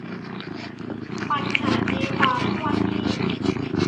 ปัญหาตีความมั่วที่